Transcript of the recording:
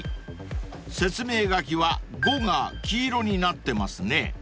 ［説明書きは５が黄色になってますね］